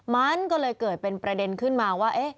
มันก็เลยเกิดเป็นประเด็นขึ้นมาว่า